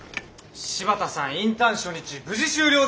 柴田さんインターン初日無事終了です。